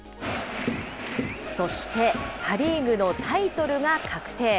そしてパ・リーグのタイトルが確定。